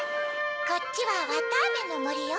こっちはわたあめのもりよ。